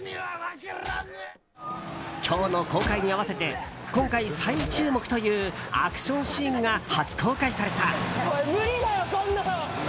今日の公開に合わせて今回最注目というアクションシーンが初公開された。